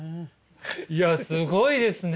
いやすごいですね！